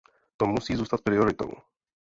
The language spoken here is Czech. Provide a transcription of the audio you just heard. To musí zůstat prioritou.